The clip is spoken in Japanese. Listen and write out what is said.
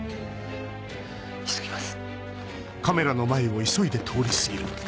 急ぎます。